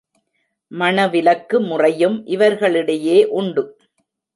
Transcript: மணவிலக்கு முறையும் இவர்களிடையே உண்டு.